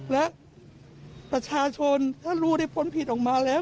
และประชาชนถ้ารู้ได้พ้นผิดออกมาแล้ว